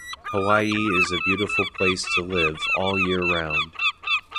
Hawaii is a beautiful place to live all year round.